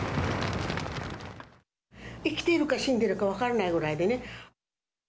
生きているか死んでいるか分からないぐらいでね。